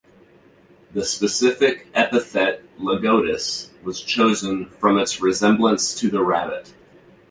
The specific epithet "lagotis" was chosen "from its resemblance to the Rabbit".